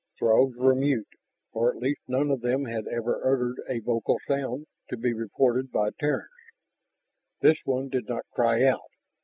Throgs were mute, or at least none of them had ever uttered a vocal sound to be reported by Terrans. This one did not cry out.